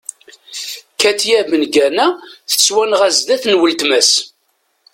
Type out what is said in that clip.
Katya Bengana tettwanɣa zdat n weltma-s.